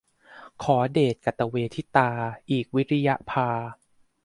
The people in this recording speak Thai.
ขอเดชกตเวทิตา อีกวิริยะพา